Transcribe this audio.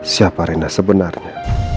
siapa rena sebenarnya